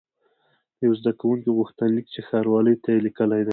د یوه زده کوونکي غوښتنلیک چې ښاروالۍ ته یې لیکلی دی.